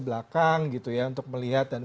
belakang gitu ya untuk melihat dan